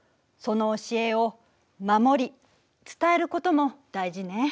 その教えを守り伝えることも大事ね。